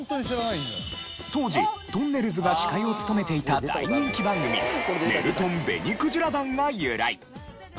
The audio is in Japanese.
当時とんねるずが司会を務めていた大人気番組『ねるとん紅鯨団』が由来。